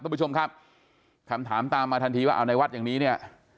คุณผู้ชมครับคำถามตามมาทันทีว่าเอาในวัดอย่างนี้เนี่ย